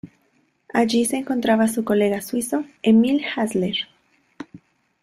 Allí se encontraba su colega suizo Émile Hassler.